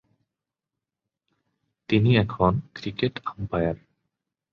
তিনি এখন cricket umpire.